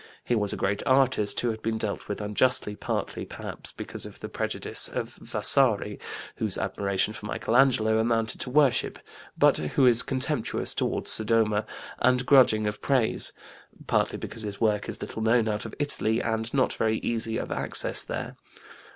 He was a great artist who has been dealt with unjustly, partly, perhaps, because of the prejudice of Vasari, whose admiration for Michelangelo amounted to worship, but who is contemptuous toward Sodoma and grudging of praise, partly because his work is little known out of Italy and not very easy of access there.